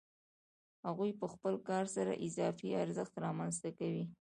هغوی په خپل کار سره اضافي ارزښت رامنځته کوي